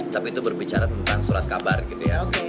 tapi itu berbicara tentang surat kabar gitu ya